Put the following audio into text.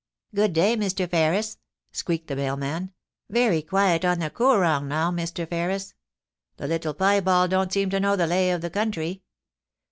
'Good day, Mr. Ferris,' squeaked the mailman. *Very quiet on the Koorong now, Mr. Ferris. The little piebald don't seem to know the lay of the country.